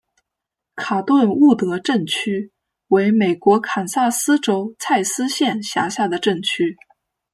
卡顿伍德镇区为美国堪萨斯州蔡斯县辖下的镇区。